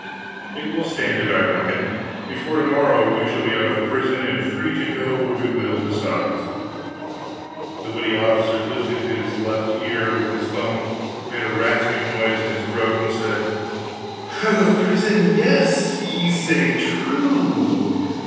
"It will stand it, I reckon. Before to morrow we shall be out of prison, and free to go where we will, besides." The witty officer lifted at his left ear with his thumb, made a rasping noise in his throat, and said: "Out of prison yes ye say true.